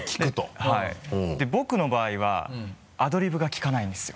僕の場合はアドリブが利かないんですよ。